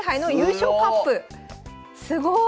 すごい！